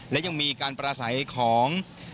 และยังมีการประสัยของ